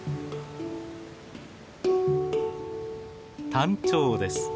タンチョウです。